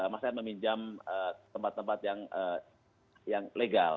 masyarakat meminjam tempat tempat yang legal